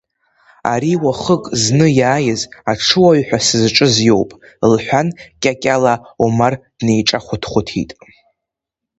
Ари, уахык зны иааиз, аҽыуаҩ ҳәа сызҿыз иоуп, – лҳәан Кьакьала Омар днеиҿахәыҭхәыҭит.